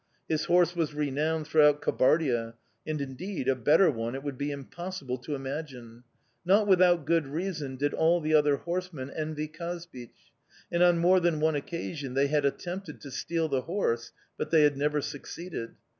His horse was renowned throughout Kabardia and, indeed, a better one it would be impossible to imagine! Not without good reason did all the other horsemen envy Kazbich, and on more than one occasion they had attempted to steal the horse, but they had never succeeded.